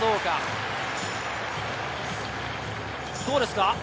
そうですね。